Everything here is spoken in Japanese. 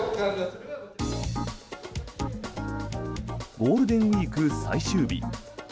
ゴールデンウィーク最終日。